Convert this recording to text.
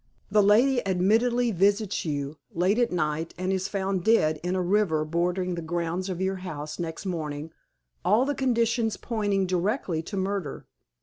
The lady admittedly visits you, late at night, and is found dead in a river bordering the grounds of your house next morning, all the conditions pointing directly to murder.